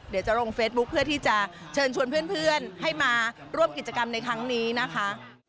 เดี๋ยวจะลงเฟซบุ๊คเพื่อที่จะเชิญชวนเพื่อนให้มาร่วมกิจกรรมในครั้งนี้นะคะ